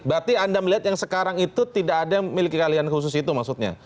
berarti anda melihat yang sekarang itu tidak ada yang memiliki keahlian khusus itu maksudnya